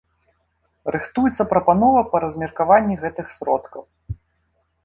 Рыхтуецца прапанова па размеркаванні гэтых сродкаў.